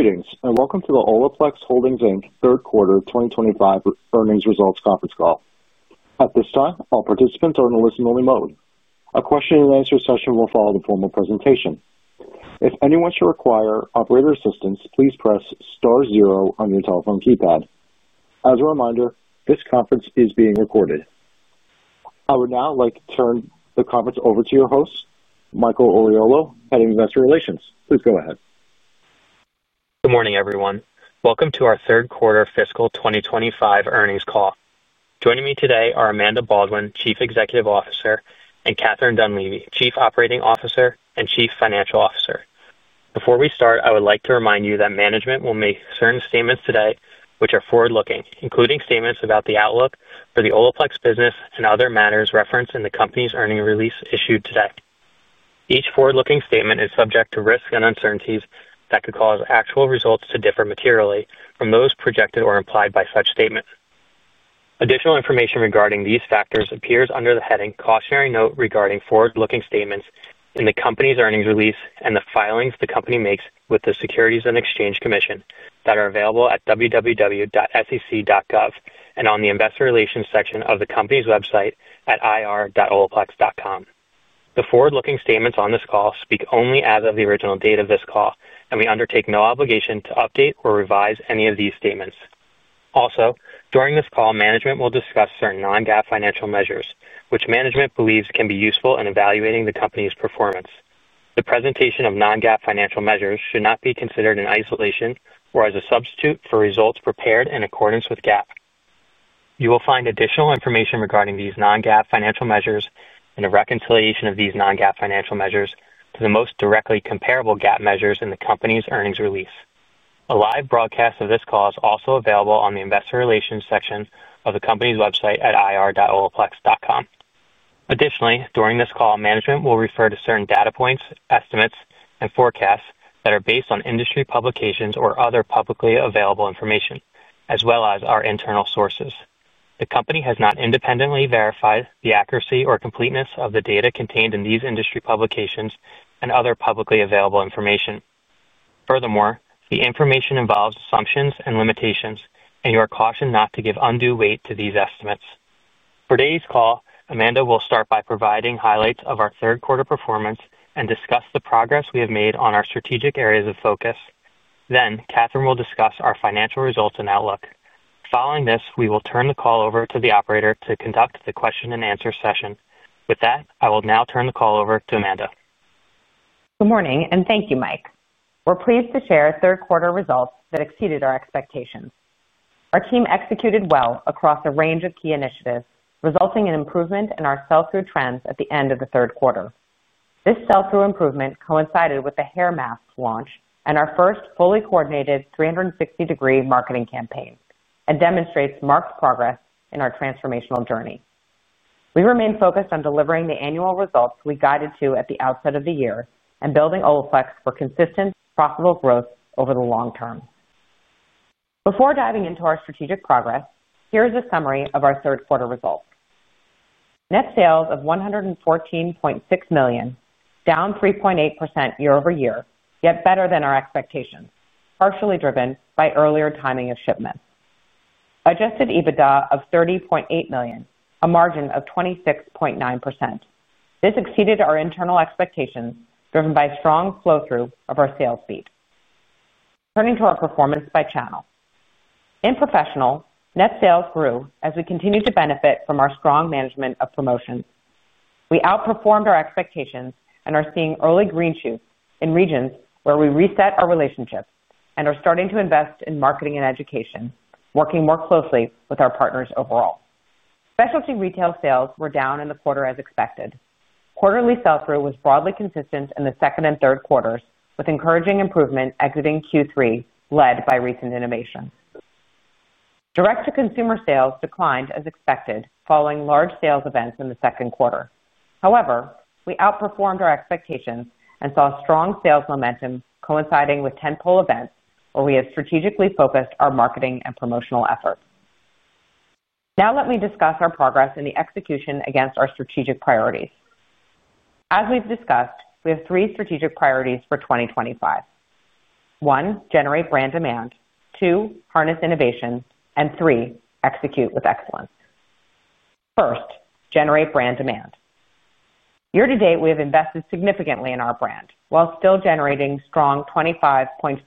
Greetings and welcome to the Olaplex Holdings third quarter 2025 earnings results conference call. At this time, all participants are in a listen-only mode. A question-and-answer session will follow the formal presentation. If anyone should require operator assistance, please press star zero on your telephone keypad. As a reminder, this conference is being recorded. I would now like to turn the conference over to your host, Michael Oriolo, Head of Investor Relations. Please go ahead. Good morning, everyone. Welcome to our third quarter fiscal 2025 earnings call. Joining me today are Amanda Baldwin, Chief Executive Officer, and Catherine Dunleavy, Chief Operating Officer and Chief Financial Officer. Before we start, I would like to remind you that management will make certain statements today which are forward-looking, including statements about the outlook for the Olaplex business and other matters referenced in the company's earnings release issued today. Each forward-looking statement is subject to risks and uncertainties that could cause actual results to differ materially from those projected or implied by such statement. Additional information regarding these factors appears under the heading "Cautionary Note Regarding Forward-Looking Statements" in the company's earnings release and the filings the company makes with the Securities and Exchange Commission that are available at www.sec.gov and on the investor relations section of the company's website at ir-olaplex.com. The forward-looking statements on this call speak only as of the original date of this call, and we undertake no obligation to update or revise any of these statements. Also, during this call, management will discuss certain non-GAAP financial measures which management believes can be useful in evaluating the company's performance. The presentation of non-GAAP financial measures should not be considered in isolation or as a substitute for results prepared in accordance with GAAP. You will find additional information regarding these non-GAAP financial measures and a reconciliation of these non-GAAP financial measures to the most directly comparable GAAP measures in the company's earnings release. A live broadcast of this call is also available on the investor relations section of the company's website at ir-olaplex.com. Additionally, during this call, management will refer to certain data points, estimates, and forecasts that are based on industry publications or other publicly available information, as well as our internal sources. The company has not independently verified the accuracy or completeness of the data contained in these industry publications and other publicly available information. Furthermore, the information involves assumptions and limitations, and you are cautioned not to give undue weight to these estimates. For today's call, Amanda will start by providing highlights of our third quarter performance and discuss the progress we have made on our strategic areas of focus. Then, Catherine will discuss our financial results and outlook. Following this, we will turn the call over to the operator to conduct the question-and-answer session. With that, I will now turn the call over to Amanda. Good morning, and thank you, Mike. We're pleased to share third quarter results that exceeded our expectations. Our team executed well across a range of key initiatives, resulting in improvement in our sell-through trends at the end of the third quarter. This sell-through improvement coincided with the Hair Mask launch and our first fully coordinated 360-degree marketing campaign, and demonstrates marked progress in our transformational journey. We remain focused on delivering the annual results we guided to at the outset of the year and building Olaplex for consistent, profitable growth over the long term. Before diving into our strategic progress, here is a summary of our third quarter results. Net sales of $114.6 million, down 3.8% year-over-year, yet better than our expectations, partially driven by earlier timing of shipment. Adjusted EBITDA of $30.8 million, a margin of 26.9%. This exceeded our internal expectations, driven by strong flow-through of our sales feed. Turning to our performance by channel. In professional, net sales grew as we continued to benefit from our strong management of promotions. We outperformed our expectations and are seeing early green shoots in regions where we reset our relationships and are starting to invest in marketing and education, working more closely with our partners overall. Specialty retail sales were down in the quarter as expected. Quarterly sell-through was broadly consistent in the second and third quarters, with encouraging improvement exiting Q3 led by recent innovations. Direct-to-consumer sales declined as expected following large sales events in the second quarter. However, we outperformed our expectations and saw strong sales momentum coinciding with tentpole events where we have strategically focused our marketing and promotional efforts. Now, let me discuss our progress in the execution against our strategic priorities. As we've discussed, we have three strategic priorities for 2025. One, generate brand demand. Two, harness innovation. Three, execute with excellence. First, generate brand demand. Year to date, we have invested significantly in our brand while still generating strong 25.5%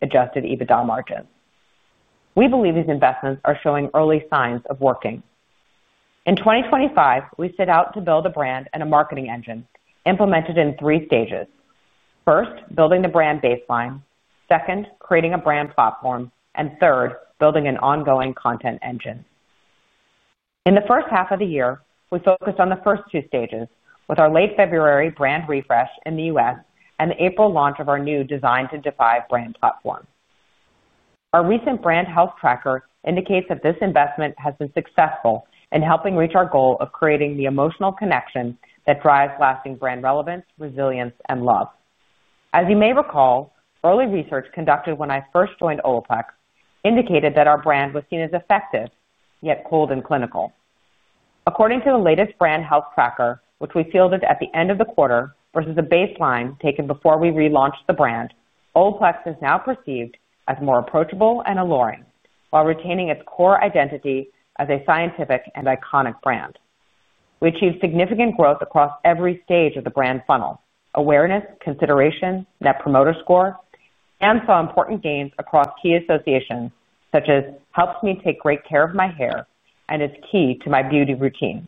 adjusted EBITDA margins. We believe these investments are showing early signs of working. In 2025, we set out to build a brand and a marketing engine implemented in three stages. First, building the brand baseline. Second, creating a brand platform. Third, building an ongoing content engine. In the first half of the year, we focused on the first two stages with our late February brand refresh in the U.S. and the April launch of our new design-to-defy brand platform. Our recent brand health tracker indicates that this investment has been successful in helping reach our goal of creating the emotional connection that drives lasting brand relevance, resilience, and love. As you may recall, early research conducted when I first joined Olaplex indicated that our brand was seen as effective yet cold and clinical. According to the latest brand health tracker, which we fielded at the end of the quarter versus a baseline taken before we relaunched the brand, Olaplex is now perceived as more approachable and alluring while retaining its core identity as a scientific and iconic brand. We achieved significant growth across every stage of the brand funnel: awareness, consideration, net promoter score, and saw important gains across key associations such as "helps me take great care of my hair" and "is key to my beauty routine."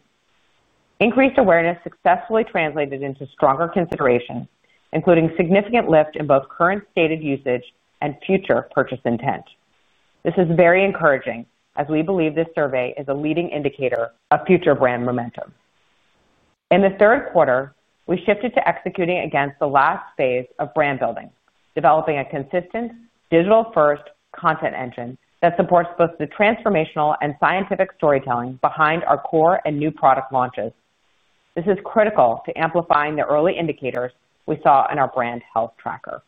Increased awareness successfully translated into stronger consideration, including significant lift in both current stated usage and future purchase intent. This is very encouraging as we believe this survey is a leading indicator of future brand momentum. In the third quarter, we shifted to executing against the last phase of brand building, developing a consistent digital-first content engine that supports both the transformational and scientific storytelling behind our core and new product launches. This is critical to amplifying the early indicators we saw in our brand health tracker.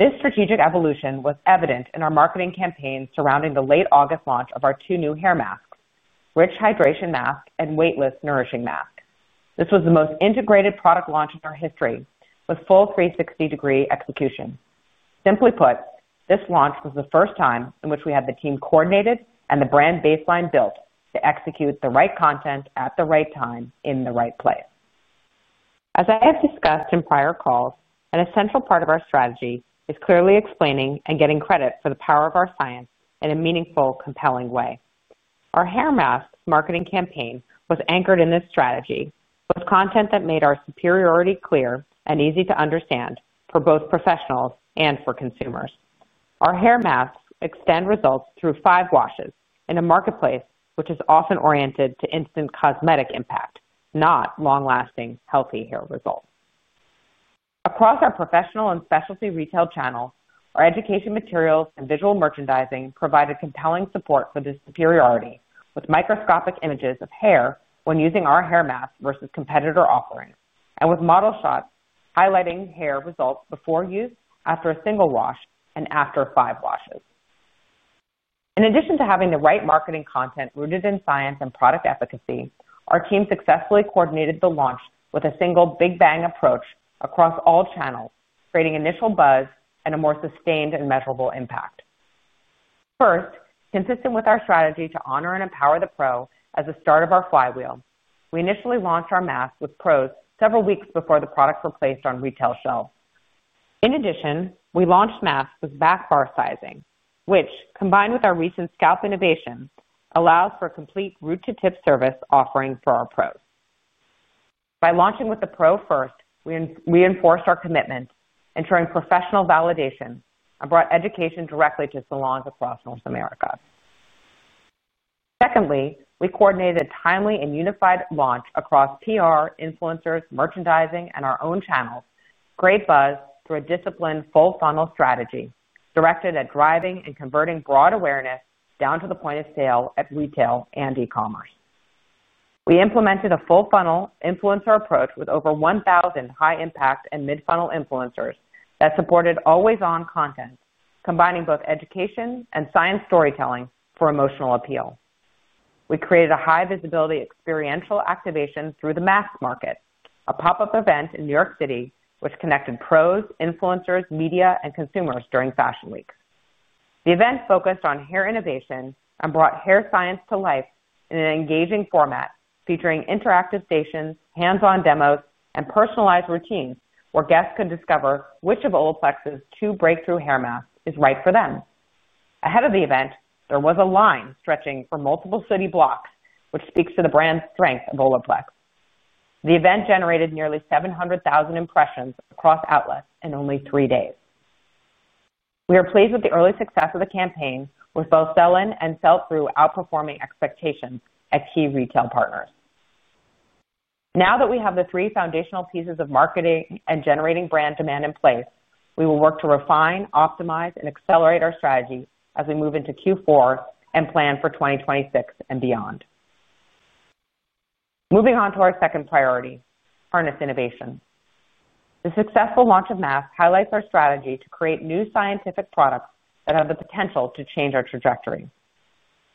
This strategic evolution was evident in our marketing campaigns surrounding the late August launch of our two new hair masks: Rich Hydration Mask and Weightless Nourishing Mask. This was the most integrated product launch in our history with full 360-degree execution. Simply put, this launch was the first time in which we had the team coordinated and the brand baseline built to execute the right content at the right time in the right place. As I have discussed in prior calls, an essential part of our strategy is clearly explaining and getting credit for the power of our science in a meaningful, compelling way. Our hair mask marketing campaign was anchored in this strategy with content that made our superiority clear and easy to understand for both professionals and for consumers. Our hair masks extend results through five washes in a marketplace which is often oriented to instant cosmetic impact, not long-lasting, healthy hair results. Across our professional and specialty retail channel, our education materials and visual merchandising provided compelling support for this superiority with microscopic images of hair when using our hair mask versus competitor offerings and with model shots highlighting hair results before use, after a single wash, and after five washes. In addition to having the right marketing content rooted in science and product efficacy, our team successfully coordinated the launch with a single big bang approach across all channels, creating initial buzz and a more sustained and measurable impact. First, consistent with our strategy to honor and empower the pro as the start of our flywheel, we initially launched our mask with pros several weeks before the products were placed on retail shelves. In addition, we launched masks with back bar sizing, which, combined with our recent scalp innovation, allows for a complete root-to-tip service offering for our pros. By launching with the pro first, we reinforced our commitment, ensuring professional validation, and brought education directly to salons across North America. Secondly, we coordinated a timely and unified launch across PR, influencers, merchandising, and our own channels, great buzz through a disciplined full funnel strategy directed at driving and converting broad awareness down to the point of sale at retail and e-commerce. We implemented a full funnel influencer approach with over 1,000 high-impact and mid-funnel influencers that supported always-on content, combining both education and science storytelling for emotional appeal. We created a high-visibility experiential activation through the mask market, a pop-up event in New York City which connected pros, influencers, media, and consumers during fashion weeks. The event focused on hair innovation and brought hair science to life in an engaging format featuring interactive stations, hands-on demos, and personalized routines where guests can discover which of Olaplex's two breakthrough hair masks is right for them. Ahead of the event, there was a line stretching for multiple city blocks, which speaks to the brand's strength of Olaplex. The event generated nearly 700,000 impressions across outlets in only three days. We are pleased with the early success of the campaign with both sell-in and sell-through outperforming expectations at key retail partners. Now that we have the three foundational pieces of marketing and generating brand demand in place, we will work to refine, optimize, and accelerate our strategy as we move into Q4 and plan for 2026 and beyond. Moving on to our second priority, harness innovation. The successful launch of masks highlights our strategy to create new scientific products that have the potential to change our trajectory.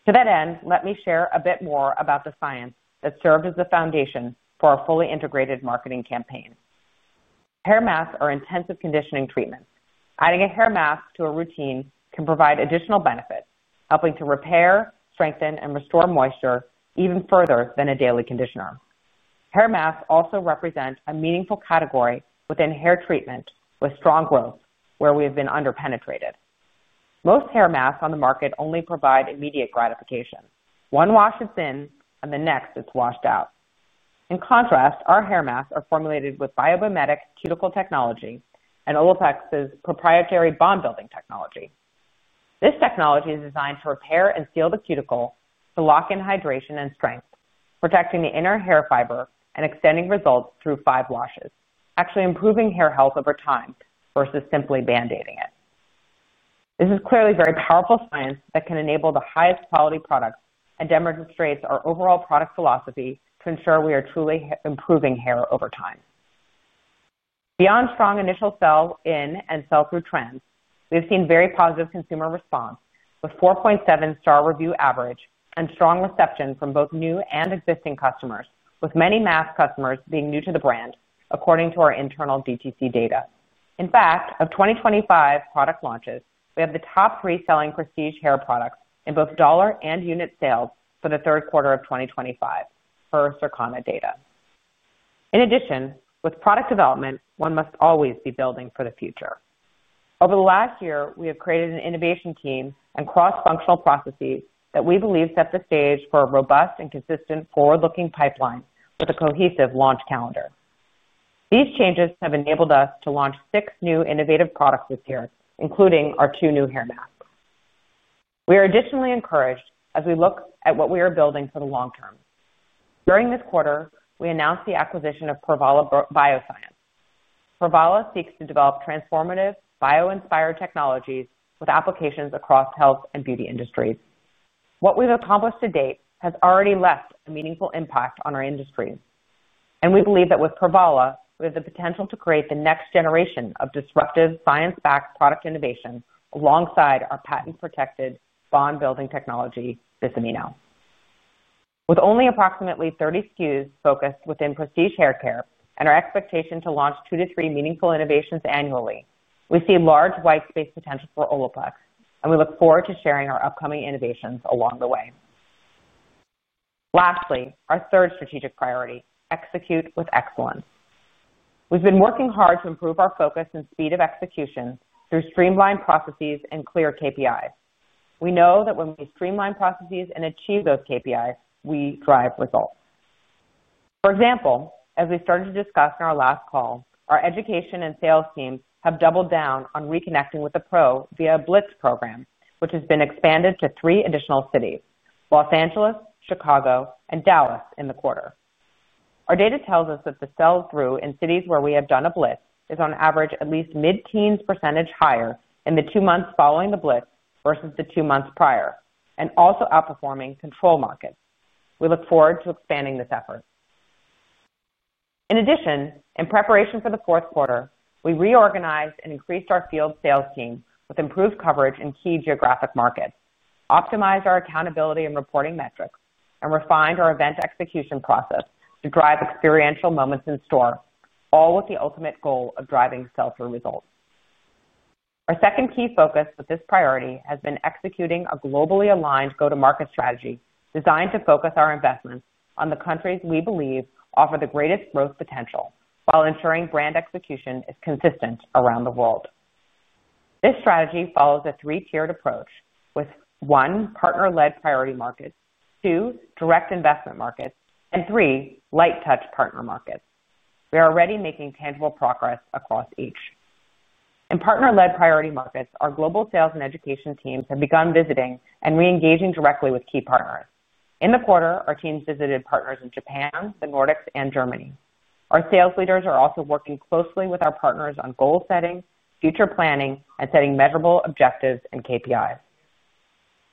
To that end, let me share a bit more about the science that served as the foundation for our fully integrated marketing campaign. Hair masks are intensive conditioning treatments. Adding a hair mask to a routine can provide additional benefits, helping to repair, strengthen, and restore moisture even further than a daily conditioner. Hair masks also represent a meaningful category within hair treatment with strong growth where we have been under-penetrated. Most hair masks on the market only provide immediate gratification. One wash is in, and the next is washed out. In contrast, our hair masks are formulated with Bio-mimetic Cuticle Technology and Olaplex's proprietary Bond-Building Technology. This technology is designed to repair and seal the cuticle to lock in hydration and strength, protecting the inner hair fiber and extending results through five washes, actually improving hair health over time versus simply band-aiding it. This is clearly very powerful science that can enable the highest quality products and demonstrates our overall product philosophy to ensure we are truly improving hair over time. Beyond strong initial sell-in and sell-through trends, we have seen very positive consumer response with 4.7-star review average and strong reception from both new and existing customers, with many mask customers being new to the brand, according to our internal DTC data. In fact, of 2025 product launches, we have the top three selling prestige hair products in both dollar and unit sales for the third quarter of 2025 per Circana data. In addition, with product development, one must always be building for the future. Over the last year, we have created an innovation team and cross-functional processes that we believe set the stage for a robust and consistent forward-looking pipeline with a cohesive launch calendar. These changes have enabled us to launch six new innovative products this year, including our two new hair masks. We are additionally encouraged as we look at what we are building for the long term. During this quarter, we announced the acquisition of Provalus Bioscience. Provalus seeks to develop transformative bio-inspired technologies with applications across health and beauty industries. What we've accomplished to date has already left a meaningful impact on our industry. We believe that with Provalus, we have the potential to create the next generation of disruptive science-backed product innovation alongside our patent-protected bond-building technology, Bisamino. With only approximately 30 SKUs focused within prestige hair care and our expectation to launch two to three meaningful innovations annually, we see large white space potential for Olaplex, and we look forward to sharing our upcoming innovations along the way. Lastly, our third strategic priority: execute with excellence. We've been working hard to improve our focus and speed of execution through streamlined processes and clear KPIs. We know that when we streamline processes and achieve those KPIs, we drive results. For example, as we started to discuss in our last call, our education and sales teams have doubled down on reconnecting with the pro via a Blitz program, which has been expanded to three additional cities: Los Angeles, Chicago, and Dallas in the quarter. Our data tells us that the sell-through in cities where we have done a Blitz is, on average, at least mid-teens percentage higher in the two months following the Blitz versus the two months prior and also outperforming control markets. We look forward to expanding this effort. In addition, in preparation for the fourth quarter, we reorganized and increased our field sales team with improved coverage in key geographic markets, optimized our accountability and reporting metrics, and refined our event execution process to drive experiential moments in store, all with the ultimate goal of driving sell-through results. Our second key focus with this priority has been executing a globally aligned go-to-market strategy designed to focus our investments on the countries we believe offer the greatest growth potential while ensuring brand execution is consistent around the world. This strategy follows a three-tiered approach with one, partner-led priority markets; two, direct investment markets; and three, light-touch partner markets. We are already making tangible progress across each. In partner-led priority markets, our global sales and education teams have begun visiting and re-engaging directly with key partners. In the quarter, our teams visited partners in Japan, the Nordics, and Germany. Our sales leaders are also working closely with our partners on goal setting, future planning, and setting measurable objectives and KPIs.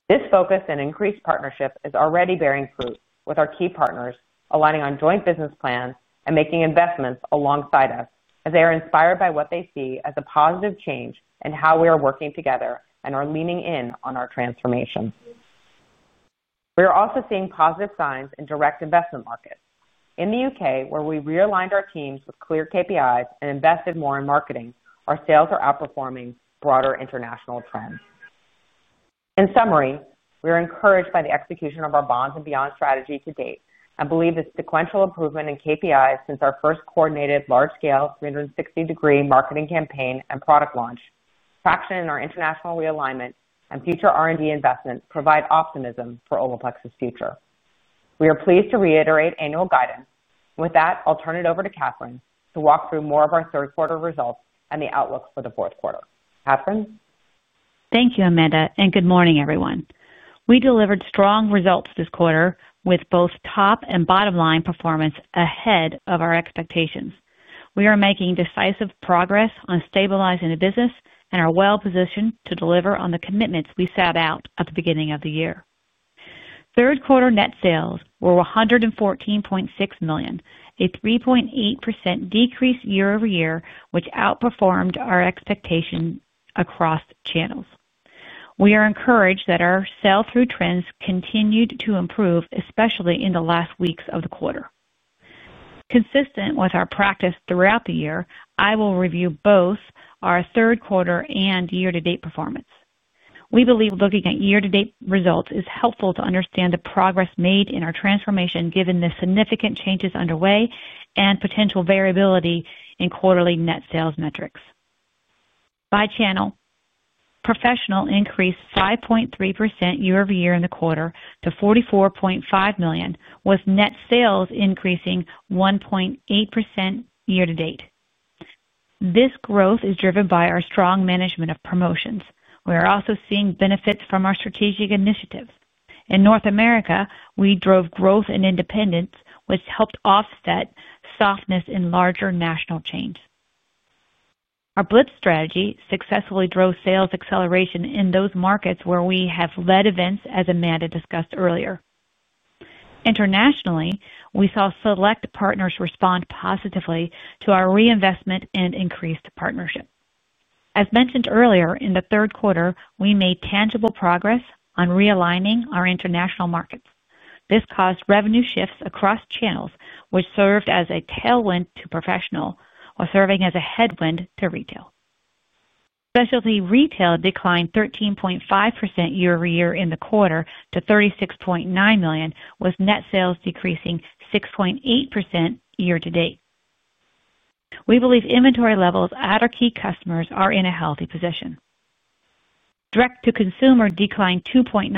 This focus and increased partnership is already bearing fruit with our key partners aligning on joint business plans and making investments alongside us as they are inspired by what they see as a positive change in how we are working together and are leaning in on our transformation. We are also seeing positive signs in direct investment markets. In the U.K., where we realigned our teams with clear KPIs and invested more in marketing, our sales are outperforming broader international trends. In summary, we are encouraged by the execution of our bonds and beyond strategy to date and believe the sequential improvement in KPIs since our first coordinated large-scale 360-degree marketing campaign and product launch, traction in our international realignment, and future R&D investments provide optimism for Olaplex's future. We are pleased to reiterate annual guidance. With that, I'll turn it over to Catherine to walk through more of our third-quarter results and the outlook for the fourth quarter. Catherine? Thank you, Amanda. Good morning, everyone. We delivered strong results this quarter with both top and bottom-line performance ahead of our expectations. We are making decisive progress on stabilizing the business and are well-positioned to deliver on the commitments we set out at the beginning of the year. Third-quarter net sales were $114.6 million, a 3.8% decrease year-over-year, which outperformed our expectation across channels. We are encouraged that our sell-through trends continued to improve, especially in the last weeks of the quarter. Consistent with our practice throughout the year, I will review both our third quarter and year-to-date performance. We believe looking at year-to-date results is helpful to understand the progress made in our transformation given the significant changes underway and potential variability in quarterly net sales metrics. By channel, professional increased 5.3% year-over-year in the quarter to $44.5 million, with net sales increasing 1.8% year-to-date. This growth is driven by our strong management of promotions. We are also seeing benefits from our strategic initiatives. In North America, we drove growth and independence, which helped offset softness in larger national chains. Our Blitz strategy successfully drove sales acceleration in those markets where we have led events, as Amanda discussed earlier. Internationally, we saw select partners respond positively to our reinvestment and increased partnership. As mentioned earlier, in the third quarter, we made tangible progress on realigning our international markets. This caused revenue shifts across channels, which served as a tailwind to professional or serving as a headwind to retail. Specialty retail declined 13.5% year-over-year in the quarter to $36.9 million, with net sales decreasing 6.8% year-to-date. We believe inventory levels at our key customers are in a healthy position. Direct-to-consumer declined 2.9%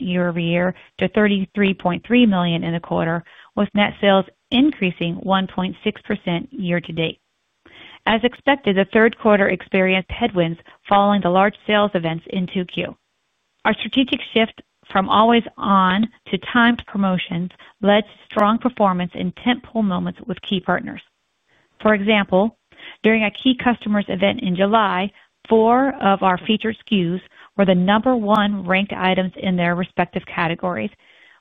year-over-year to $33.3 million in the quarter, with net sales increasing 1.6% year-to-date. As expected, the third quarter experienced headwinds following the large sales events in Q2. Our strategic shift from always-on to timed promotions led to strong performance in tentpole moments with key partners. For example, during a key customers event in July, four of our featured SKUs were the number one ranked items in their respective categories,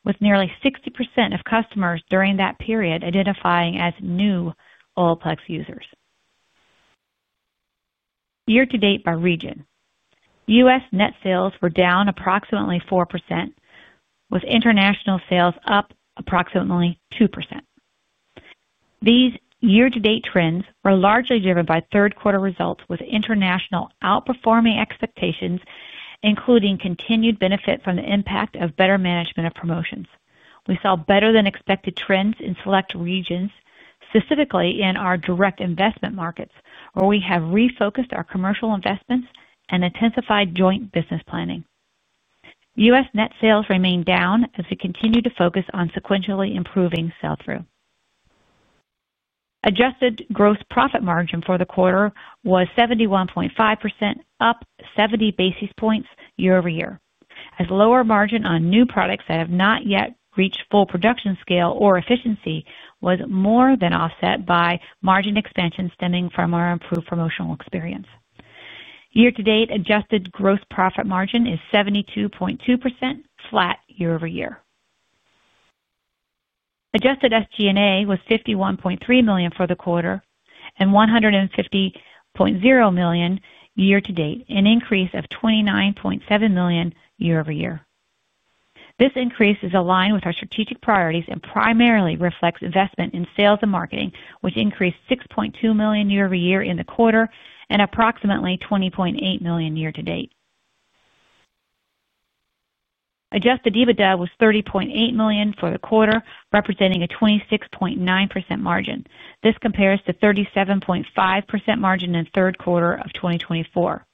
with nearly 60% of customers during that period identifying as new Olaplex users. Year-to-date by region, U.S. net sales were down approximately 4%, with international sales up approximately 2%. These year-to-date trends were largely driven by third-quarter results, with international outperforming expectations, including continued benefit from the impact of better management of promotions. We saw better-than-expected trends in select regions, specifically in our direct investment markets, where we have refocused our commercial investments and intensified joint business planning. U.S. net sales remained down as we continued to focus on sequentially improving sell-through. Adjusted gross profit margin for the quarter was 71.5%, up 70 basis points year-over-year, as lower margin on new products that have not yet reached full production scale or efficiency was more than offset by margin expansion stemming from our improved promotional experience. Year-to-date adjusted gross profit margin is 72.2%, flat year-over-year. Adjusted SG&A was $51.3 million for the quarter and $150.0 million year-to-date, an increase of $29.7 million year-over-year. This increase is aligned with our strategic priorities and primarily reflects investment in sales and marketing, which increased $6.2 million year-over-year in the quarter and approximately $20.8 million year-to-date. Adjusted EBITDA was $30.8 million for the quarter, representing a 26.9% margin. This compares to 37.5% margin in the third quarter of 2024.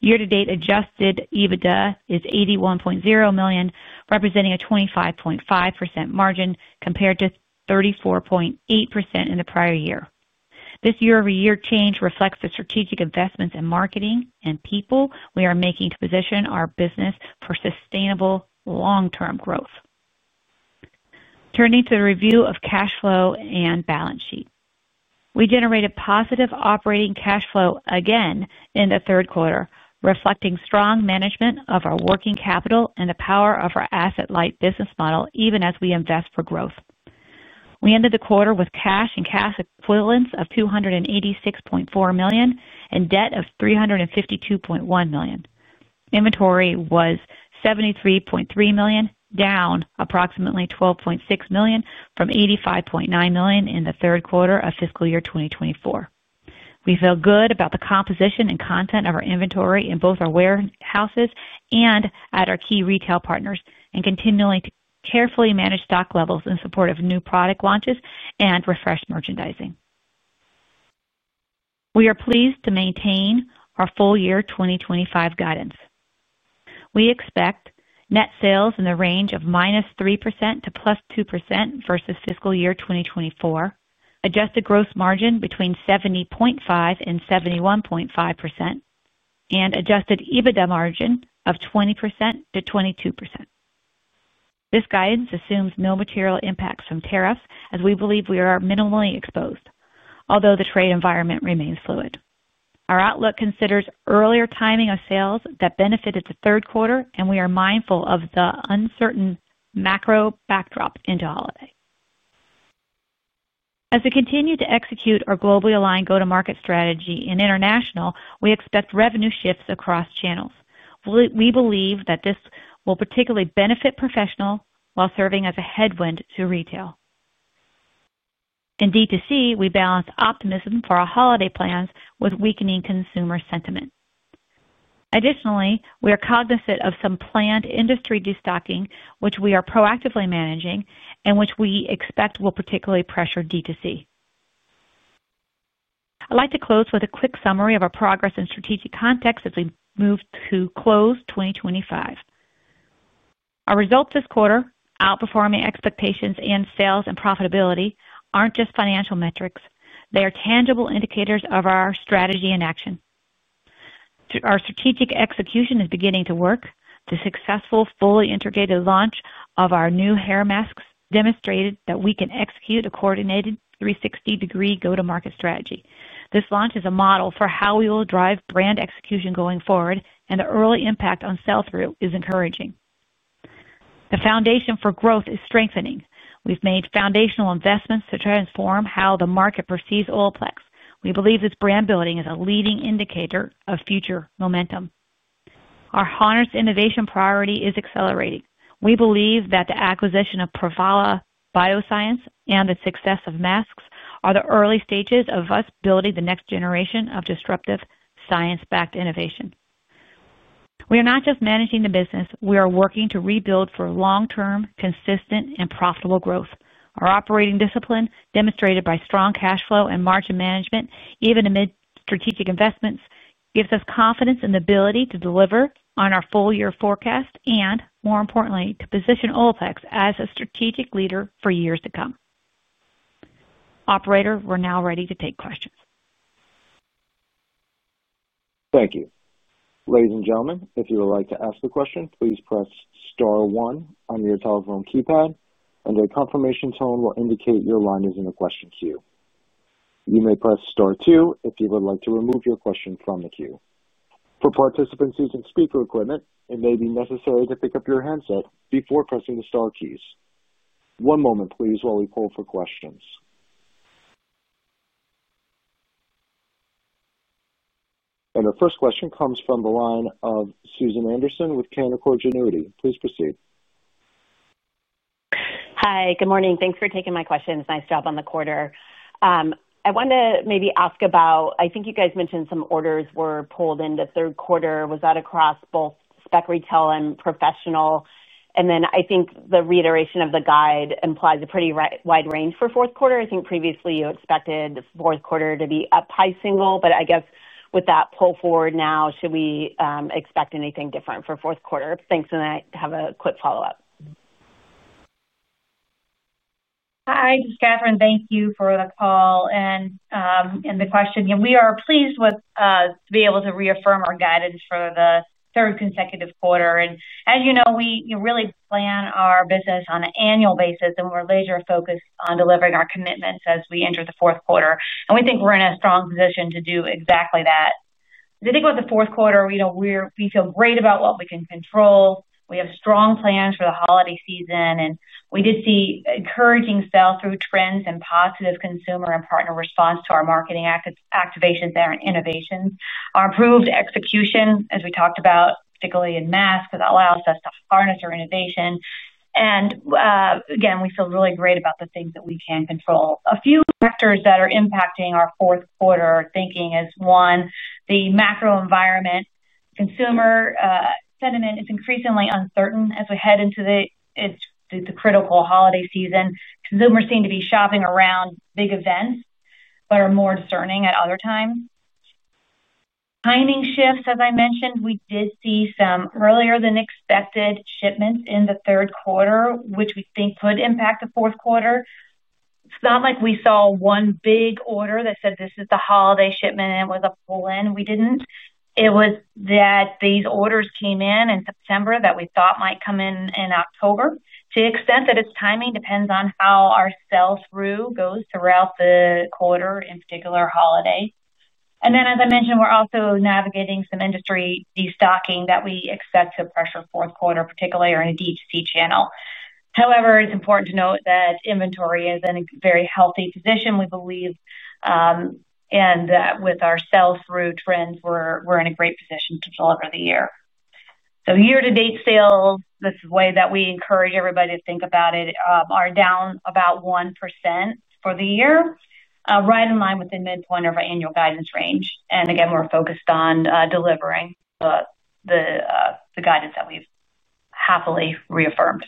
Year-to-date adjusted EBITDA is $81.0 million, representing a 25.5% margin compared to 34.8% in the prior year. This year-over-year change reflects the strategic investments in marketing and people we are making to position our business for sustainable long-term growth. Turning to the review of cash flow and balance sheet, we generated positive operating cash flow again in the third quarter, reflecting strong management of our working capital and the power of our asset-light business model even as we invest for growth. We ended the quarter with cash and cash equivalents of $286.4 million and debt of $352.1 million. Inventory was $73.3 million, down approximately $12.6 million from $85.9 million in the third quarter of fiscal year 2024. We feel good about the composition and content of our inventory in both our warehouses and at our key retail partners and continuing to carefully manage stock levels in support of new product launches and refreshed merchandising. We are pleased to maintain our full year 2025 guidance. We expect net sales in the range of -3% to +2% versus fiscal year 2024, adjusted gross margin between 70.5%-71.5%, and adjusted EBITDA margin of 20%-22%. This guidance assumes no material impacts from tariffs, as we believe we are minimally exposed, although the trade environment remains fluid. Our outlook considers earlier timing of sales that benefited the third quarter, and we are mindful of the uncertain macro backdrop into holiday. As we continue to execute our globally aligned go-to-market strategy in international, we expect revenue shifts across channels. We believe that this will particularly benefit professional while serving as a headwind to retail. In D2C, we balance optimism for our holiday plans with weakening consumer sentiment. Additionally, we are cognizant of some planned industry destocking, which we are proactively managing and which we expect will particularly pressure D2C. I'd like to close with a quick summary of our progress and strategic context as we move to close 2025. Our results this quarter, outperforming expectations in sales and profitability, aren't just financial metrics. They are tangible indicators of our strategy in action. Our strategic execution is beginning to work. The successful, fully integrated launch of our new hair masks demonstrated that we can execute a coordinated 360-degree go-to-market strategy. This launch is a model for how we will drive brand execution going forward, and the early impact on sell-through is encouraging. The foundation for growth is strengthening. We've made foundational investments to transform how the market perceives Olaplex. We believe this brand building is a leading indicator of future momentum. Our Honors Innovation priority is accelerating. We believe that the acquisition of Provalus Bioscience and the success of masks are the early stages of us building the next generation of disruptive science-backed innovation. We are not just managing the business; we are working to rebuild for long-term, consistent, and profitable growth. Our operating discipline, demonstrated by strong cash flow and margin management, even amid strategic investments, gives us confidence in the ability to deliver on our full-year forecast and, more importantly, to position Olaplex as a strategic leader for years to come. Operator, we're now ready to take questions. Thank you. Ladies and gentlemen, if you would like to ask a question, please press star one on your telephone keypad, and a confirmation tone will indicate your line is in the question queue. You may press star two if you would like to remove your question from the queue. For participants using speaker equipment, it may be necessary to pick up your handset before pressing the Star keys. One moment, please, while we pull for questions. Our first question comes from the line of Susan Anderson with Canaccord Genuity. Please proceed. Hi. Good morning. Thanks for taking my questions. Nice job on the quarter. I want to maybe ask about, I think you guys mentioned some orders were pulled into third quarter. Was that across both spec retail and professional? I think the reiteration of the guide implies a pretty wide range for fourth quarter. I think previously you expected fourth quarter to be up high single, but I guess with that pull forward now, should we expect anything different for fourth quarter? Thanks, and I have a quick follow-up. Hi. This is Catherine. Thank you for the call and the question. We are pleased to be able to reaffirm our guidance for the third consecutive quarter. As you know, we really plan our business on an annual basis, and we're laser-focused on delivering our commitments as we enter the fourth quarter. We think we're in a strong position to do exactly that. I think with the fourth quarter, we feel great about what we can control. We have strong plans for the holiday season, and we did see encouraging sell-through trends and positive consumer and partner response to our marketing activations and innovations. Our improved execution, as we talked about, particularly in masks, allows us to harness our innovation. Again, we feel really great about the things that we can control. A few factors that are impacting our fourth quarter thinking is, one, the macro environment. Consumer sentiment is increasingly uncertain as we head into the critical holiday season. Consumers seem to be shopping around big events but are more discerning at other times. Timing shifts, as I mentioned, we did see some earlier-than-expected shipments in the third quarter, which we think could impact the fourth quarter. It's not like we saw one big order that said, "This is the holiday shipment," and it was a pull-in. We didn't. It was that these orders came in in September that we thought might come in in October. To the extent that its timing depends on how our sell-through goes throughout the quarter, in particular holiday. As I mentioned, we're also navigating some industry destocking that we expect to pressure fourth quarter, particularly in a D2C channel. However, it's important to note that inventory is in a very healthy position, we believe. With our sell-through trends, we're in a great position to deliver the year. Year-to-date sales, this is the way that we encourage everybody to think about it, are down about 1% for the year, right in line with the midpoint of our annual guidance range. Again, we're focused on delivering the guidance that we've happily reaffirmed.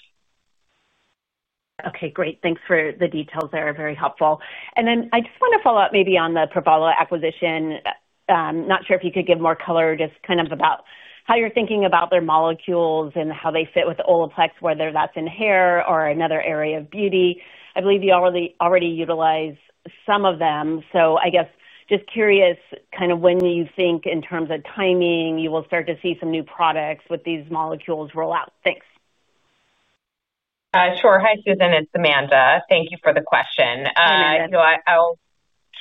Okay. Great. Thanks for the details. They're very helpful. I just want to follow up maybe on the Provalus acquisition. Not sure if you could give more color just kind of about how you're thinking about their molecules and how they fit with Olaplex, whether that's in hair or another area of beauty. I believe you already utilize some of them. I guess just curious kind of when you think in terms of timing, you will start to see some new products with these molecules roll out. Thanks. Sure. Hi, Susan. It's Amanda. Thank you for the question. I'll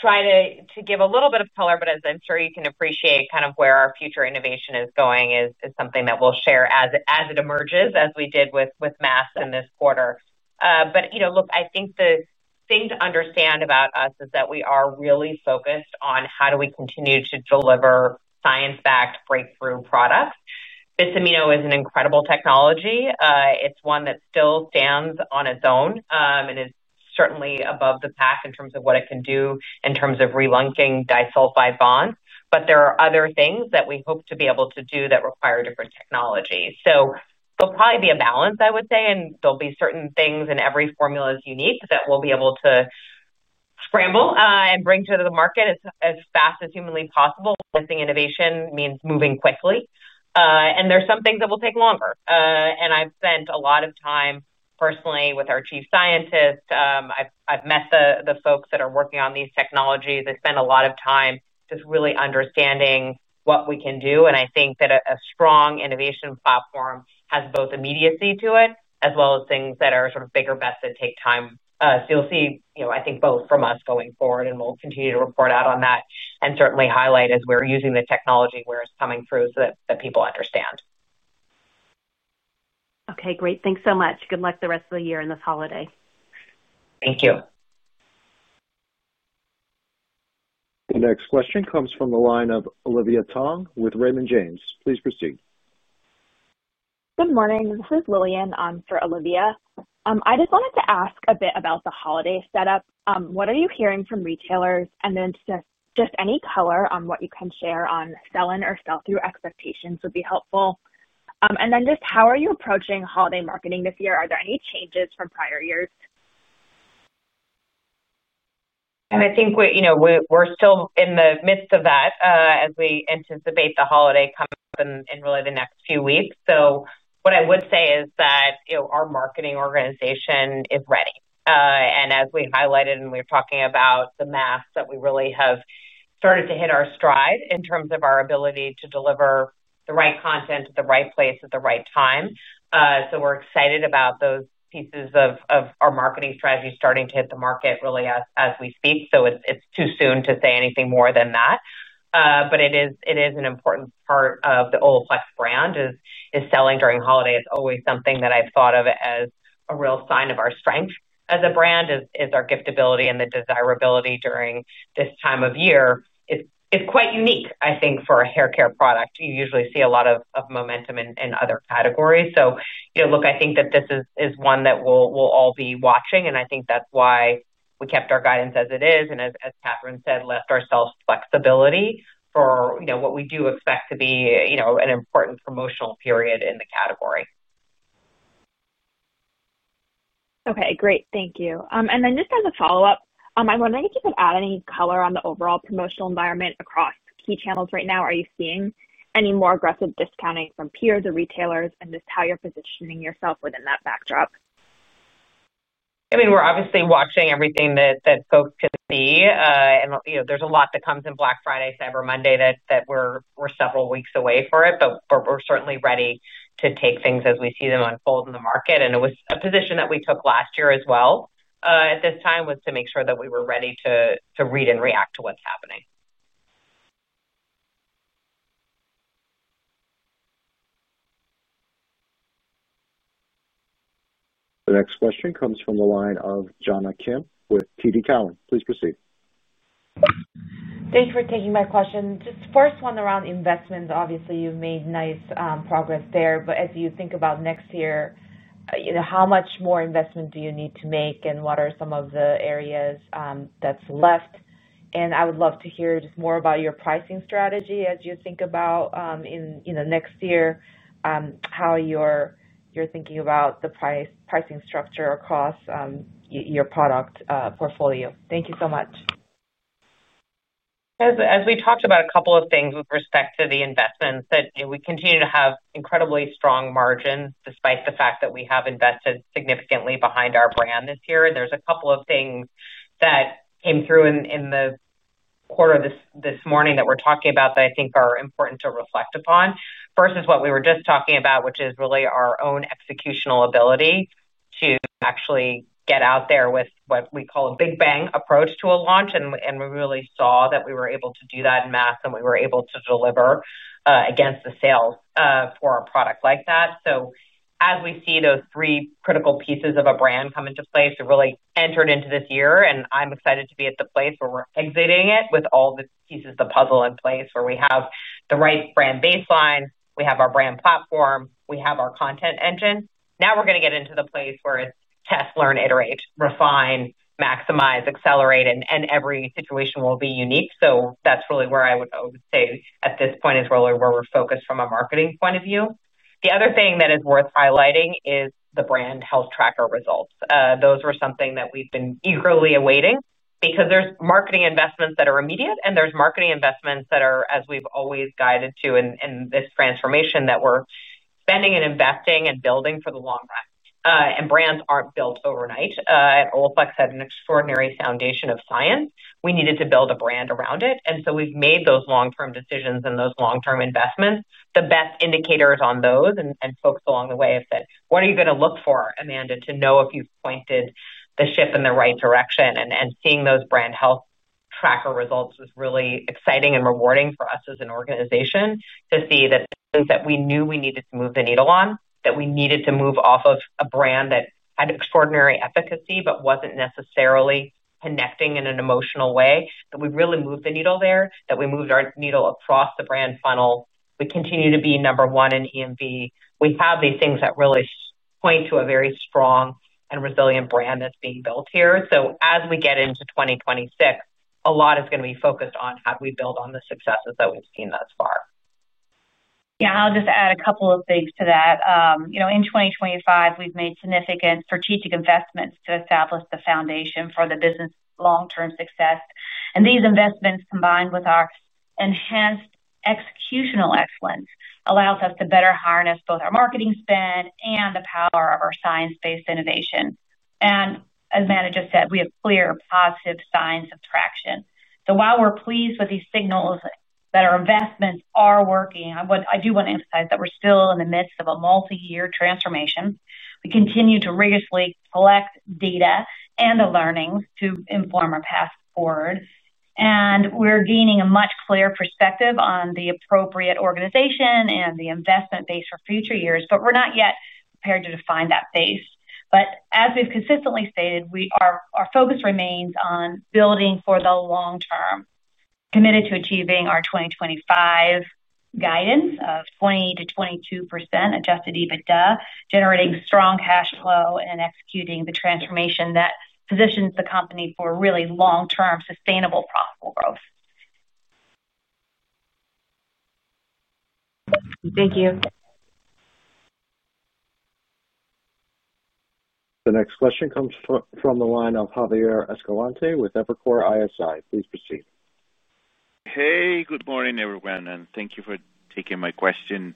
try to give a little bit of color, but as I'm sure you can appreciate, kind of where our future innovation is going is something that we'll share as it emerges, as we did with masks in this quarter. Look, I think the thing to understand about us is that we are really focused on how do we continue to deliver science-backed breakthrough products. Bisamino is an incredible technology. It's one that still stands on its own and is certainly above the pack in terms of what it can do in terms of relinking disulfide bonds. There are other things that we hope to be able to do that require different technology. There'll probably be a balance, I would say, and there'll be certain things, and every formula is unique that we'll be able to. Scramble and bring to the market as fast as humanly possible. Lifting innovation means moving quickly. There are some things that will take longer. I have spent a lot of time personally with our Chief Scientist. I have met the folks that are working on these technologies. I spent a lot of time just really understanding what we can do. I think that a strong innovation platform has both immediacy to it as well as things that are sort of bigger bets that take time. You will see, I think, both from us going forward, and we will continue to report out on that and certainly highlight as we are using the technology where it is coming through so that people understand. Okay. Great. Thanks so much. Good luck the rest of the year and this holiday. Thank you. The next question comes from the line of Olivia Tong with Raymond James. Please proceed. Good morning. This is Lillian. I'm for Olivia. I just wanted to ask a bit about the holiday setup. What are you hearing from retailers? Just any color on what you can share on sell-in or sell-through expectations would be helpful. Just how are you approaching holiday marketing this year? Are there any changes from prior years? I think we're still in the midst of that as we anticipate the holiday coming up in really the next few weeks. What I would say is that our marketing organization is ready. As we highlighted and we were talking about the masks that we really have started to hit our stride in terms of our ability to deliver the right content at the right place at the right time. We're excited about those pieces of our marketing strategy starting to hit the market really as we speak. It's too soon to say anything more than that. It is an important part of the Olaplex brand is selling during holidays. It's always something that I've thought of as a real sign of our strength as a brand is our giftability and the desirability during this time of year. It's quite unique, I think, for a haircare product. You usually see a lot of momentum in other categories. I think that this is one that we'll all be watching. I think that's why we kept our guidance as it is and, as Catherine said, left ourselves flexibility for what we do expect to be an important promotional period in the category. Okay. Great. Thank you. Just as a follow-up, I'm wondering if you could add any color on the overall promotional environment across key channels right now. Are you seeing any more aggressive discounting from peers or retailers and just how you're positioning yourself within that backdrop? I mean, we're obviously watching everything that folks can see. There's a lot that comes in Black Friday, Cyber Monday that we're several weeks away from, but we're certainly ready to take things as we see them unfold in the market. It was a position that we took last year as well at this time, to make sure that we were ready to read and react to what's happening. The next question comes from the line of Jonna Kim with TD Cowen. Please proceed. Thanks for taking my question. Just first one around investments. Obviously, you've made nice progress there. As you think about next year, how much more investment do you need to make, and what are some of the areas that's left? I would love to hear just more about your pricing strategy as you think about, in the next year, how you're thinking about the pricing structure across your product portfolio. Thank you so much. As we talked about a couple of things with respect to the investments, we continue to have incredibly strong margins despite the fact that we have invested significantly behind our brand this year. There are a couple of things that came through in the quarter this morning that we're talking about that I think are important to reflect upon versus what we were just talking about, which is really our own executional ability to actually get out there with what we call a big bang approach to a launch. We really saw that we were able to do that in mass, and we were able to deliver against the sales for our product like that. As we see those three critical pieces of a brand come into place, we've really entered into this year, and I'm excited to be at the place where we're exiting it with all the pieces of the puzzle in place where we have the right brand baseline, we have our brand platform, we have our content engine. Now we're going to get into the place where it's test, learn, iterate, refine, maximize, accelerate, and every situation will be unique. That's really where I would say at this point is really where we're focused from a marketing point of view. The other thing that is worth highlighting is the brand health tracker results. Those were something that we've been eagerly awaiting because there's marketing investments that are immediate, and there's marketing investments that are, as we've always guided to in this transformation, that we're spending and investing and building for the long run. Brands aren't built overnight. Olaplex had an extraordinary foundation of science. We needed to build a brand around it. We've made those long-term decisions and those long-term investments. The best indicators on those and folks along the way have said, "What are you going to look for, Amanda, to know if you've pointed the ship in the right direction?" Seeing those brand health tracker results was really exciting and rewarding for us as an organization to see that things that we knew we needed to move the needle on, that we needed to move off of a brand that had extraordinary efficacy but was not necessarily connecting in an emotional way, that we really moved the needle there, that we moved our needle across the brand funnel. We continue to be number one in E&V. We have these things that really point to a very strong and resilient brand that is being built here. As we get into 2026, a lot is going to be focused on how do we build on the successes that we've seen thus far. Yeah. I'll just add a couple of things to that. In 2025, we've made significant strategic investments to establish the foundation for the business's long-term success. These investments, combined with our enhanced executional excellence, allow us to better harness both our marketing spend and the power of our science-based innovation. As Amanda just said, we have clear positive signs of traction. While we're pleased with these signals that our investments are working, I do want to emphasize that we're still in the midst of a multi-year transformation. We continue to rigorously collect data and the learnings to inform our path forward. We are gaining a much clearer perspective on the appropriate organization and the investment base for future years, but we are not yet prepared to define that base. As we have consistently stated, our focus remains on building for the long term, committed to achieving our 2025 guidance of 20%-22% adjusted EBITDA, generating strong cash flow, and executing the transformation that positions the company for really long-term sustainable profitable growth. Thank you. The next question comes from the line of Javier Escalante with Evercore ISI. Please proceed. Hey, good morning, everyone, and thank you for taking my question.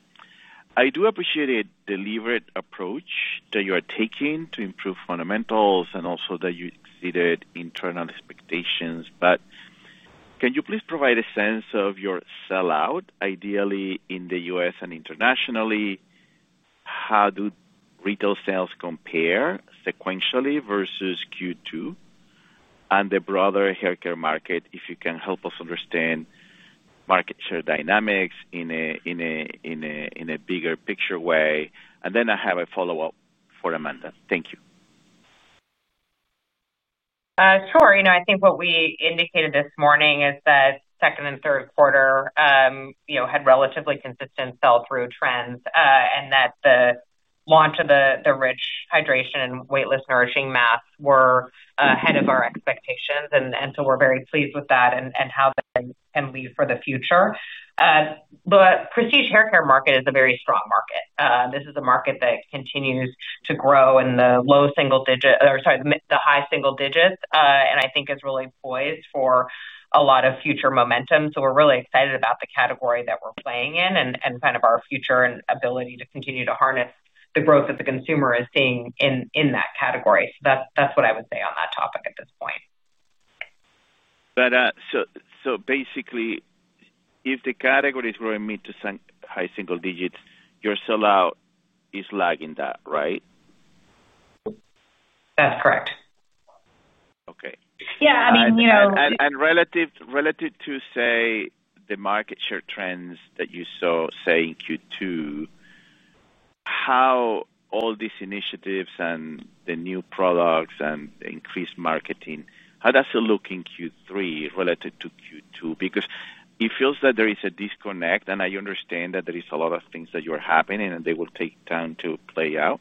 I do appreciate the deliberate approach that you are taking to improve fundamentals and also that you exceeded internal expectations. Can you please provide a sense of your sellout, ideally in the U.S. and internationally? How do retail sales compare sequentially versus Q2? If you can help us understand the broader haircare market, market share dynamics in a bigger picture way. I have a follow-up for Amanda. Thank you. Sure. I think what we indicated this morning is that second and third quarter had relatively consistent sell-through trends and that the launch of the Rich Hydration and Weightless Nourishing Masks were ahead of our expectations. We are very pleased with that and how that can lead for the future. The prestige haircare market is a very strong market. This is a market that continues to grow in the high single digits, and I think is really poised for a lot of future momentum. We're really excited about the category that we're playing in and kind of our future and ability to continue to harness the growth that the consumer is seeing in that category. That's what I would say on that topic at this point. Basically, if the category is growing mid to high single digits, your sellout is lagging that, right? That's correct. Okay. I mean, and relative to, say, the market share trends that you saw, say, in Q2, how all these initiatives and the new products and increased marketing, how does it look in Q3 relative to Q2? Because it feels that there is a disconnect, and I understand that there are a lot of things that you are having, and they will take time to play out.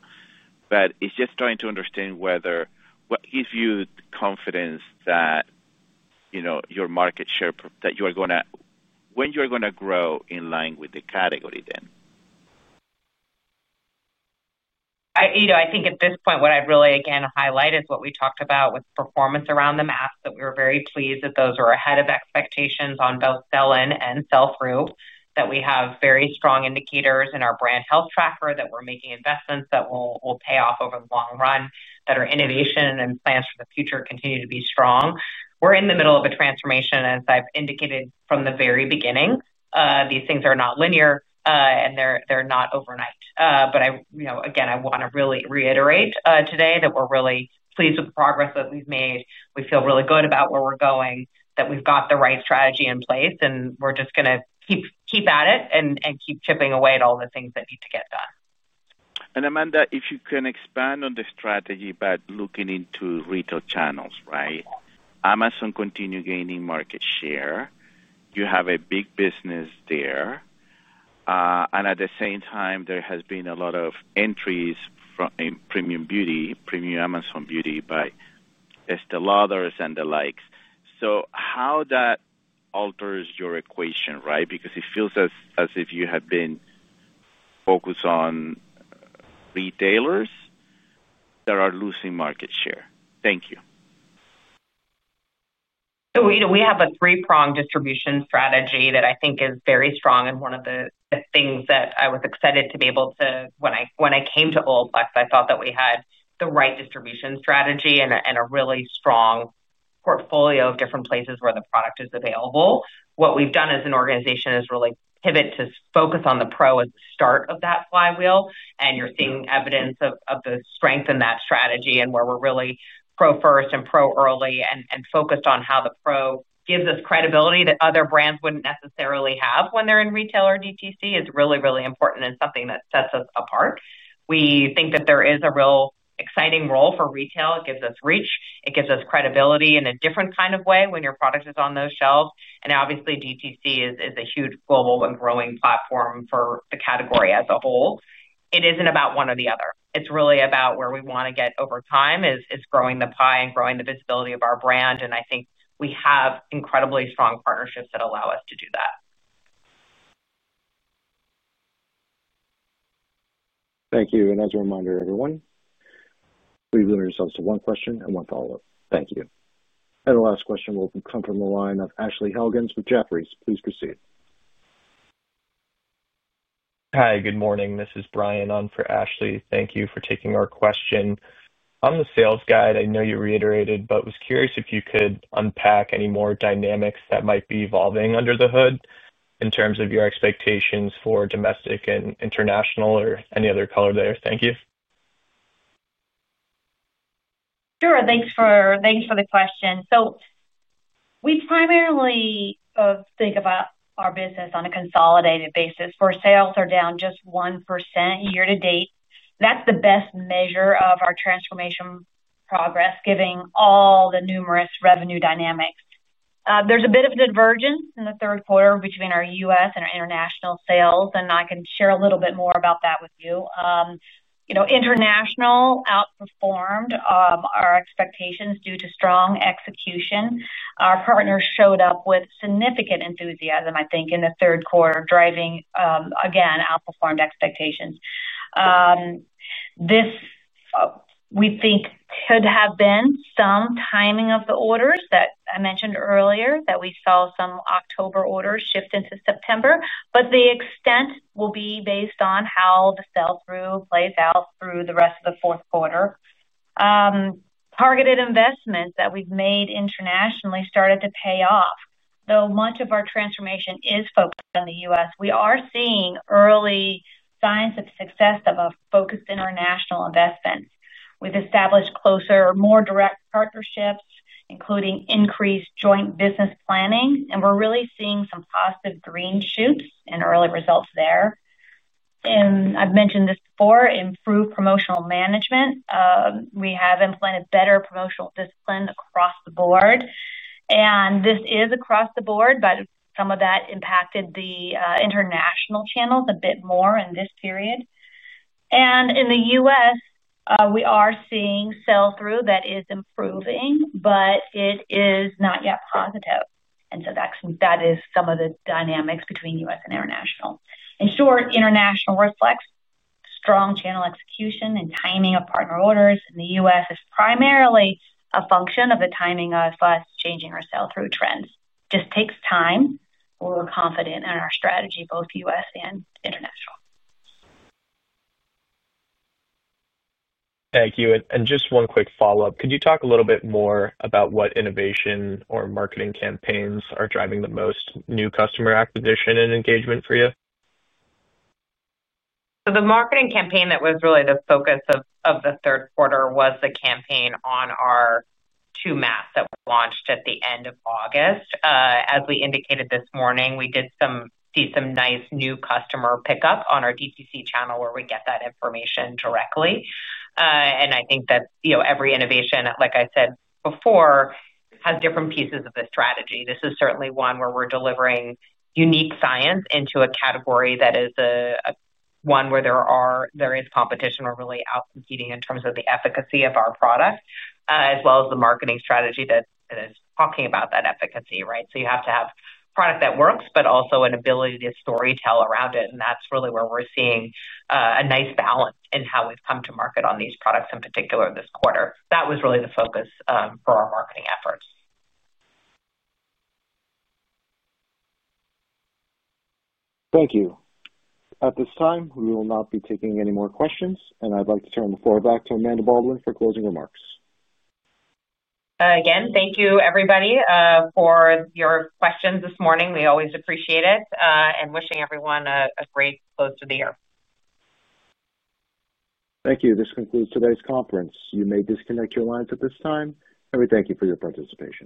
It's just trying to understand what gives you the confidence that. Your market share that you are going to when you are going to grow in line with the category then? I think at this point, what I'd really, again, highlight is what we talked about with performance around the masks that we were very pleased that those were ahead of expectations on both sell-in and sell-through, that we have very strong indicators in our brand health tracker that we're making investments that will pay off over the long run, that our innovation and plans for the future continue to be strong. We're in the middle of a transformation, as I've indicated from the very beginning. These things are not linear, and they're not overnight. Again, I want to really reiterate today that we're really pleased with the progress that we've made. We feel really good about where we are going, that we have got the right strategy in place, and we are just going to keep at it and keep chipping away at all the things that need to get done. Amanda, if you can expand on the strategy by looking into retail channels, right? Amazon continues gaining market share. You have a big business there. At the same time, there has been a lot of entries in premium beauty, premium Amazon beauty by Estée Lauder and the likes. How does that alter your equation, right? Because it feels as if you have been focused on retailers that are losing market share. Thank you. We have a three-pronged distribution strategy that I think is very strong. One of the things that I was excited to be able to when I came to Olaplex, I thought that we had the right distribution strategy and a really strong portfolio of different places where the product is available. What we've done as an organization is really pivot to focus on the pro at the start of that flywheel. You're seeing evidence of the strength in that strategy and where we're really pro first and pro early and focused on how the pro gives us credibility that other brands wouldn't necessarily have when they're in retail or DTC is really, really important and something that sets us apart. We think that there is a real exciting role for retail. It gives us reach. It gives us credibility in a different kind of way when your product is on those shelves. Obviously, DTC is a huge global and growing platform for the category as a whole. It is not about one or the other. It is really about where we want to get over time, which is growing the pie and growing the visibility of our brand. I think we have incredibly strong partnerships that allow us to do that. Thank you. As a reminder, everyone, we have limited ourselves to one question and one follow-up. Thank you. The last question will come from the line of Ashley Helgins with Jefferies. Please proceed. Hi, good morning. This is Brian on for Ashley. Thank you for taking our question. On the sales guide, I know you reiterated, but was curious if you could unpack any more dynamics that might be evolving under the hood in terms of your expectations for domestic and international or any other color there. Thank you. Sure. Thanks for the question. We primarily think about our business on a consolidated basis. For sales, we're down just 1% year to date. That's the best measure of our transformation progress, given all the numerous revenue dynamics. There's a bit of divergence in the third quarter between our U.S. and our international sales. I can share a little bit more about that with you. International outperformed our expectations due to strong execution. Our partners showed up with significant enthusiasm, I think, in the third quarter, driving, again, outperformed expectations. This, we think, could have been some timing of the orders that I mentioned earlier that we saw some October orders shift into September. The extent will be based on how the sell-through plays out through the rest of the fourth quarter. Targeted investments that we've made internationally started to pay off. Though much of our transformation is focused on the U.S., we are seeing early signs of success of a focused international investment. We have established closer, more direct partnerships, including increased joint business planning. We are really seeing some positive green shoots and early results there. I have mentioned this before, improved promotional management. We have implemented better promotional discipline across the board. This is across the board, but some of that impacted the international channels a bit more in this period. In the U.S., we are seeing sell-through that is improving, but it is not yet positive. That is some of the dynamics between U.S. and international. In short, international reflects strong channel execution and timing of partner orders. The U.S. is primarily a function of the timing of us changing our sell-through trends. It just takes time. We're confident in our strategy, both US and international. Thank you. Just one quick follow-up. Could you talk a little bit more about what innovation or marketing campaigns are driving the most new customer acquisition and engagement for you? The marketing campaign that was really the focus of the third quarter was the campaign on our two masks that we launched at the end of August. As we indicated this morning, we did see some nice new customer pickup on our DTC channel where we get that information directly. I think that every innovation, like I said before, has different pieces of the strategy. This is certainly one where we're delivering unique science into a category that is one where there is competition or really outcompeting in terms of the efficacy of our product, as well as the marketing strategy that is talking about that efficacy, right? You have to have a product that works, but also an ability to storytell around it. That's really where we're seeing a nice balance in how we've come to market on these products in particular this quarter. That was really the focus for our marketing efforts. Thank you. At this time, we will not be taking any more questions. I'd like to turn the floor back to Amanda Baldwin for closing remarks. Again, thank you, everybody, for your questions this morning. We always appreciate it and wishing everyone a great close to the year. Thank you. This concludes today's conference. You may disconnect your lines at this time. We thank you for your participation.